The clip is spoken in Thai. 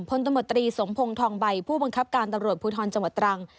ตมตรีสมพงศ์ทองใบผู้บังคับการตำรวจภูทรจังหวัดตรัง